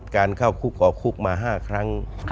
การเข้าคุกออกคุกมา๕ครั้ง